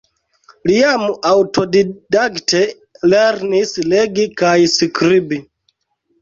Li jam aŭtodidakte lernis legi kaj skribi.